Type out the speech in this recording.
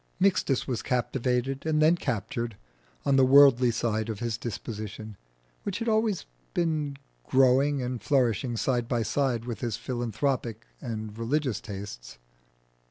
Mixtus was captivated and then captured on the worldly side of his disposition, which had been always growing and flourishing side by side with his philanthropic and religious tastes.